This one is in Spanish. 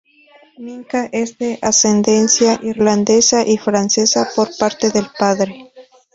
Minka es de ascendencia irlandesa y francesa por parte de padre.